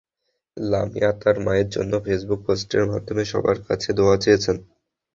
লামিয়া তার মায়ের জন্য ফেসবুক পোস্টের মাধ্যমে সবার কাছে দোয়া চেয়েছেন।